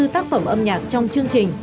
hai mươi tác phẩm âm nhạc trong chương trình